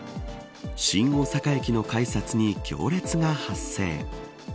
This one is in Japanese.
新大阪駅の改札に行列が発生。